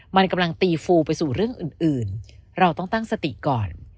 มันกำลังตีฟูไปสู่เรื่องอื่นเราต้องตั้งสติก่อน